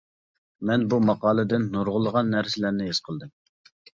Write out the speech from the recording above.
مەن بۇ ماقالىدىن نۇرغۇنلىغان نەرسىلەرنى ھېس قىلدىم!